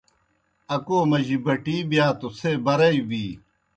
اکَو مجی بٹِی بِیا توْ څھے برَئی بی۔